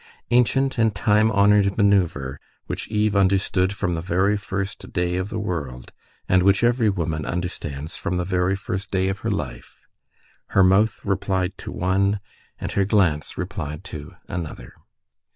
Ancient and time honored manœuvre which Eve understood from the very first day of the world, and which every woman understands from the very first day of her life! her mouth replied to one, and her glance replied to another.